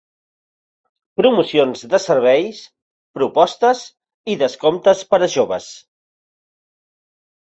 Promocions de serveis, propostes i descomptes per a joves.